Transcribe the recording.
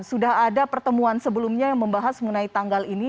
sudah ada pertemuan sebelumnya yang membahas mengenai tanggal ini